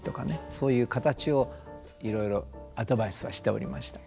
そういう形をいろいろアドバイスをしておりました。